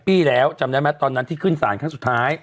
ปีแล้วจำได้ไหมตอนนั้นที่ขึ้นสารครั้งสุดท้าย